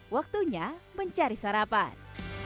waktunya mencari sarapan